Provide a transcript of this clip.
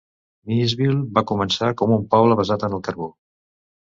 Nyesville va començar com un poble basat en el carbó.